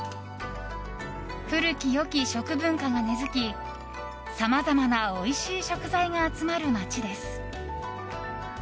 古き良き食文化が根付きさまざまなおいしい食材が集まる街です。